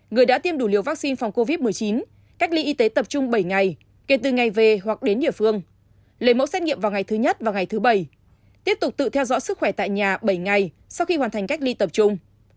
người đã tiêm đủ liều vaccine phòng covid một mươi chín cách ly y tế tập trung bảy ngày kể từ ngày về hoặc đến địa phương lấy mẫu xét nghiệm vào ngày thứ nhất và ngày thứ bảy tiếp tục tự theo dõi sức khỏe tại nhà bảy ngày sau khi hoàn thành cách ly tập trung